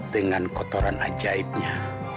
dengan kotoran ajaibnya